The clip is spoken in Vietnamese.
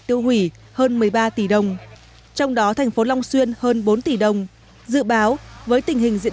tiêu hủy hơn một mươi ba tỷ đồng trong đó thành phố long xuyên hơn bốn tỷ đồng dự báo với tình hình diễn